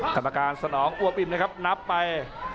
กรรมการสนองอัวปินนะครับนับไป